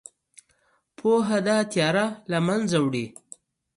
پوهه دا تیاره له منځه وړي.